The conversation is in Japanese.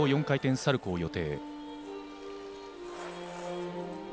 ４回転サルコー。